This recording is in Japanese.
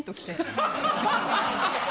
ハハハハ。